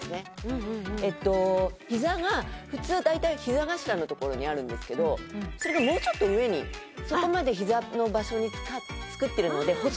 ひざが普通大体ひざ頭のところにあるんですけどそれがもうちょっと上にそこまでひざの場所に作ってるので細いんですよね。